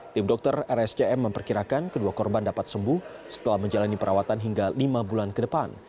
tim dokter rsjm memperkirakan kedua korban dapat sembuh setelah menjalani perawatan hingga lima bulan ke depan